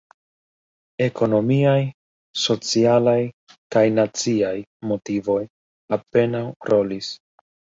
Ekonomiaj, socialaj kaj naciaj motivoj apenaŭ rolis.